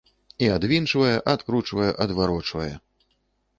І адвінчвае, адкручвае, адварочвае.